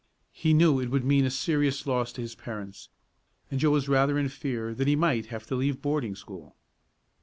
He knew it would mean a serious loss to his parents, and Joe was rather in fear that he might have to leave boarding school.